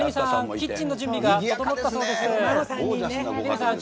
キッチンの準備が整ったそうです。